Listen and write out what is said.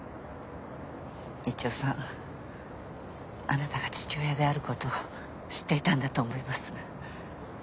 道夫さんあなたが父親であることを知っていたんだと思います。